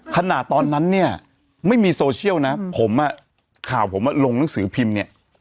ขนาดตอนนั้นเนี่ยไม่มีโซเชียลนะผมอ่ะข่าวผมลงหนังสือพิมพ์เนี่ย